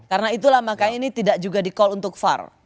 karena itulah makanya ini tidak juga di call untuk far